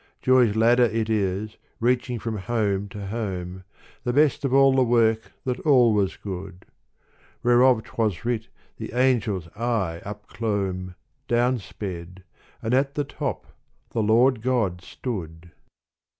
Joy's ladder it is, reaching from home to home. The best of all the work that all was good : Whereof 't was writ the angels aye upclomb, Down sped, and at the top the Lord God stood.